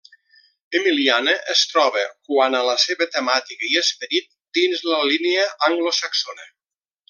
Emiliana es troba, quant a la seva temàtica i esperit, dins la línia anglosaxona.